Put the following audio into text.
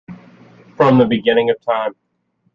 From the beginning of time.